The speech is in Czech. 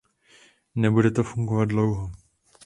Nebude to fungovat dlouho.